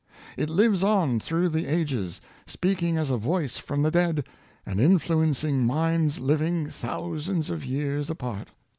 It lives on through the ages, speaking as a voice from the dead, and influencing minds living thou sands of years apart.